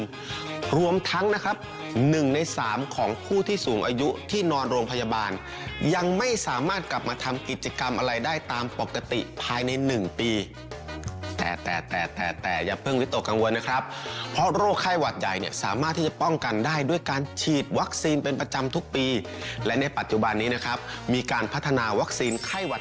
รวมทั้งนะครับ๑ในสามของผู้ที่สูงอายุที่นอนโรงพยาบาลยังไม่สามารถกลับมาทำกิจกรรมอะไรได้ตามปกติภายใน๑ปีแต่แต่แต่อย่าเพิ่งวิตกกังวลนะครับเพราะโรคไข้หวัดใหญ่เนี่ยสามารถที่จะป้องกันได้ด้วยการฉีดวัคซีนเป็นประจำทุกปีและในปัจจุบันนี้นะครับมีการพัฒนาวัคซีนไข้หวัด